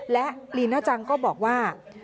และลีน่าจังก็บอกว่า